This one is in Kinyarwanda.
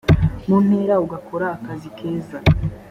mu ntera ugakora akazi keza